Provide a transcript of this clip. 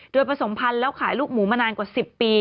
โดยผสมพันธุ์แล้วขายลูกหมูมานานกว่า๑๐ปี